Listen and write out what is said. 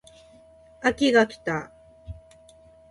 秋が来た